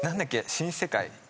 『新世界』？